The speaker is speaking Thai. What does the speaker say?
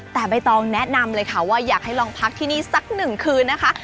แต่ใบตองแนะนำเลยค่ะว่าอยากให้ลองพักที่นี่สักหนึ่งคืนนะคะ